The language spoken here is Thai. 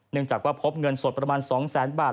เนื่องจากว่าพบเงินสดประมาณ๒๐๐๐๐๐บาท